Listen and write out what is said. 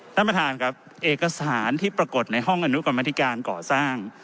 ท่านประธานครับเอกสารที่ปรากฏในห้องอนุกรรมธิการก่อสร้าง